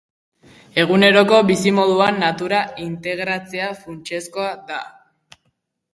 Eguneroko bizimoduan natura integratzea funtsezkoa da.